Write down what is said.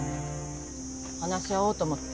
話し合おうと思って。